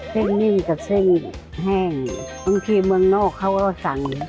เส้นนิ่มกับเส้นแห้งบางทีเมืองนอกเขาก็สั่ง